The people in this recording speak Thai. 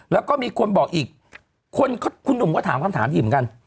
แล้วก็มีคนบอกอีกคนคุณหนุ่มก็ถามคำถามดีเหมือนกัน